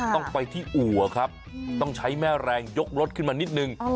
ต้องไปที่อู่ครับต้องใช้แม่แรงยกรถขึ้นมานิดนึง